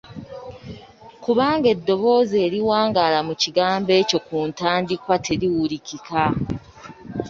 Kubanga eddoboozi eriwangaala mu kigambo ekyo ku ntandikwa teriwulikika.